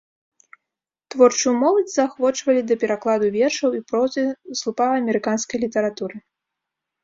Творчую моладзь заахвочвалі да перакладу вершаў і прозы слупа амерыканскай літаратуры.